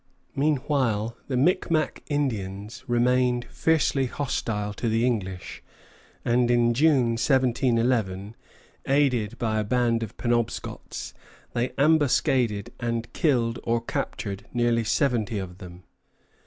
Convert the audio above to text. Meanwhile the Micmac Indians remained fiercely hostile to the English; and in June, 1711, aided by a band of Penobscots, they ambuscaded and killed or captured nearly seventy of them.